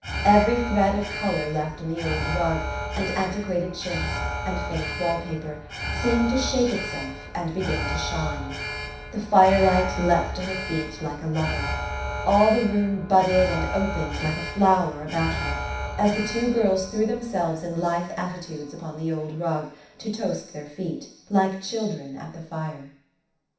Every thread of color left in the old rug, and antiquated chintz, and faint wall paper, seemed to shake itself, and begin to shine. The firelight leaped to her feet like a lover. All the room budded and opened like a flower about her, as the two girls threw themselves in lithe atti tudes upon the old rug to " toast their feet " like children at the fire.